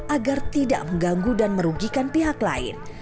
agar tidak mengganggu dan merugikan pihak lain